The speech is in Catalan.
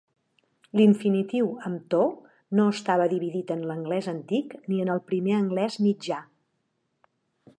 L'infinitiu amb "to" no estava dividit en l'anglès antic ni en el primer anglès mitjà.